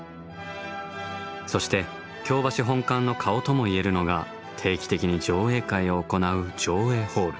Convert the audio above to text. そして京橋本館の顔とも言えるのが定期的に上映会を行う上映ホール。